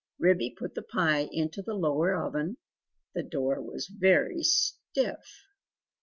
Ribby put the pie into the lower oven; the door was very stiff.